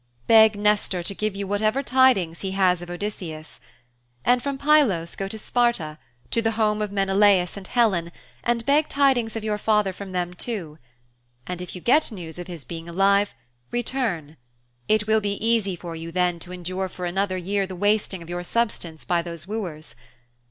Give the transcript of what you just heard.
Beg Nestor to give you whatever tidings he has of Odysseus. And from Pylos go to Sparta, to the home of Menelaus and Helen, and beg tidings of your father from them too. And if you get news of his being alive, return: It will be easy for you then to endure for another year the wasting of your substance by those wooers.